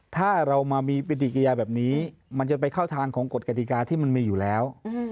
ถ้าเรามามีปฏิกิยาแบบนี้มันจะไปเข้าทางของกฎกฎิกาที่มันมีอยู่แล้ว